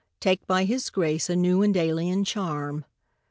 Take by his grace a new and alien charm.